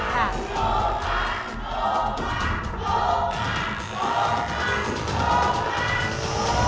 น่ากลายเหนือ